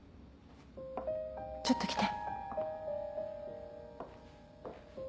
ちょっと来て。